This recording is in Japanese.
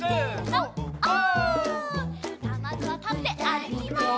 さあまずはたってあるきます！